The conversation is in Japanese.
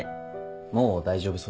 もう大丈夫そうですね